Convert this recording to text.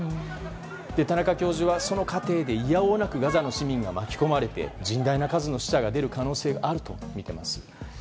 田中教授はその過程でいや応なくガザの市民が巻き込まれて甚大な数の死者が出るとみています。